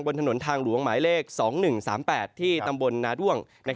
บนถนนทางหลวงหมายเลข๒๑๓๘ที่ตำบลนาด้วง